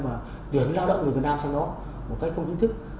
và tuyển lao động người việt nam sang đó một cách không chính thức